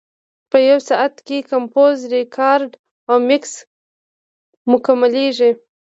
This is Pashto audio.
په یو ساعت کې کمپوز، ریکارډ او مکس مکملېږي.